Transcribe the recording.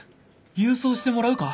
郵送してもらうか？